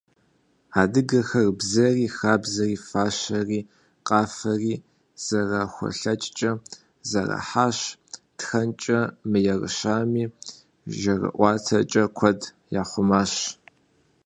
Адыгэхэр бзэри, хабзэри, фащэри, къафэри зэрахулъэкӏкӏэ зэрахьащ, тхэнкӏэ мыерыщами, жьэрыӏуатэкӏэ куэд яхъумащ.